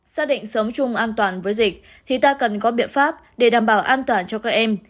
xác định sống chung an toàn với dịch thì ta cần có biện pháp để đảm bảo an toàn cho các em